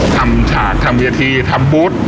ทำฉากทำเยอทีทำบูธ